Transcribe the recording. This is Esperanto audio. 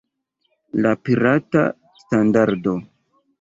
La pirata standardo!